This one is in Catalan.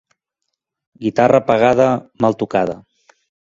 Guitarra pagada, mal tocada.